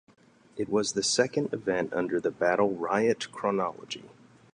It was the second event under the Battle Riot chronology.